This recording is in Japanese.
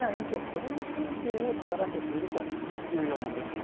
これに神経をとがらせているというようなんです。